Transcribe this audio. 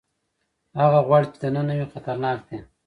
هغه غوړ چې دننه وي خطرناک دي.